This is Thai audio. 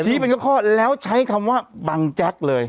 เป็นข้อแล้วใช้คำว่าบังแจ๊กเลย